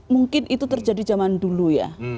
mungkin itu terjadi zaman dulu ya